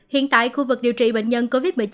hiện tại khu vực điều trị bệnh nhân covid một mươi chín